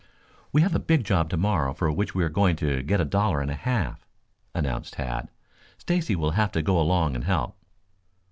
"We have a big job tomorrow for which we are going to get a dollar and a half," announced Tad. "Stacy will have to go along and help."